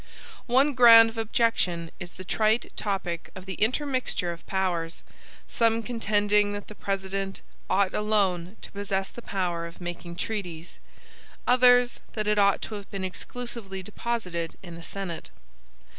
One ground of objection is the trite topic of the intermixture of powers; some contending that the President ought alone to possess the power of making treaties; others, that it ought to have been exclusively deposited in the Senate.